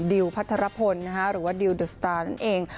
ดิวพัฒนภพลหรือว่าดิวดูสตาร์นั่นเอง